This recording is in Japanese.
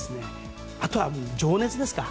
あとは情熱ですか。